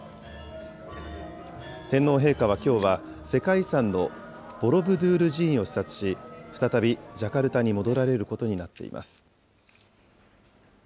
天皇陛下はきょうは、世界遺産のボロブドゥール寺院を視察し、再びジャカルタに戻られることになっています。